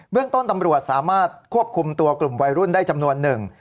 เรื่องต้นตำรวจสามารถควบคุมตัวกลุ่มวัยรุ่นได้จำนวนหนึ่ง